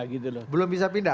belum bisa pindah